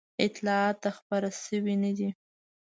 اطلاعات خپاره شوي نه دي.